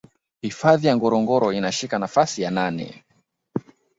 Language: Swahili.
Hifadhi ya Ngorongoro inashika nafasi ya nane